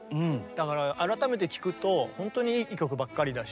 だから改めて聴くと本当にいい曲ばっかりだし。